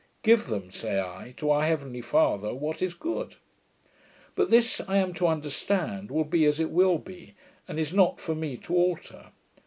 Give them, say I to our heavenly father, what is good. But this, I am to understand, will be as it will be, and is not for me to alter.